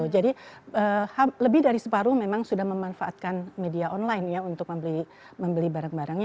jadi lebih dari separuh memang sudah memanfaatkan media online ya untuk membeli barang barangnya